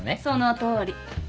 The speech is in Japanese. そのとおり。